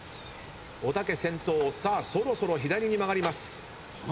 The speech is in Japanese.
おたけ先頭さあそろそろ左に曲がります。